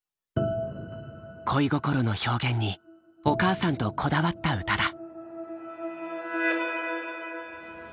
恋心の表現にお母さんとこだわった歌だ。